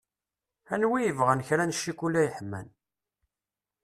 Anwa i yebɣan kra n cikula yeḥman.